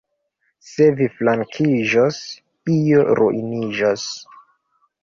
Se vi flankiĝos, io ruiniĝos!